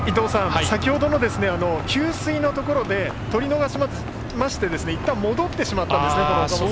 先ほどの給水のところで取り逃しましていったん戻ってしまったんですね。